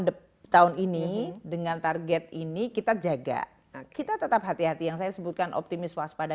depan ini dengan target ini kita jaga kita tetap hati hati yang saya sebutkan optimis waspada